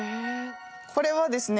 これはですね